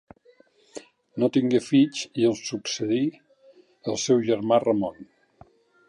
No tingué fills i el succeí el seu germà Ramon.